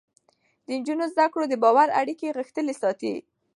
د نجونو زده کړه د باور اړیکې غښتلې ساتي.